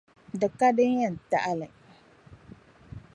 Di ka din yɛn taɣi li.